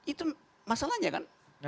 itu masalahnya kan